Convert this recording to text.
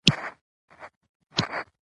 ادبي دود کې د دغو فرهنګي کوډونو